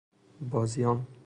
بازیان